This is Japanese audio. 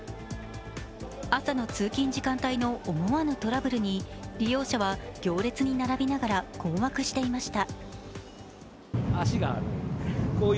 朝の通勤時間帯の思わぬトラブルに利用者は行列に並びながら困惑していました。